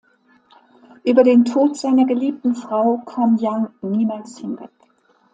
Über den Tod seiner geliebten Frau kam Young niemals hinweg.